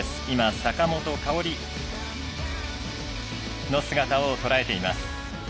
坂本花織の姿をとらえています。